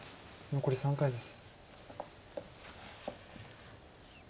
残り３回です。